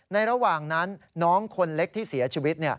ระหว่างนั้นน้องคนเล็กที่เสียชีวิต